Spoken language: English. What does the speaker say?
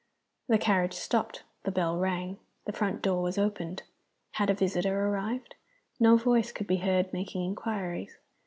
The carriage stopped; the bell rang; the front door was opened. Had a visitor arrived? No voice could be heard making inquiries.